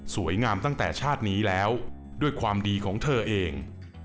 ตั้งแต่ชาตินี้แล้วด้วยความดีของเธอเอง